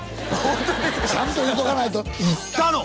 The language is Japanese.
ちゃんと言うとかないと行ったの！？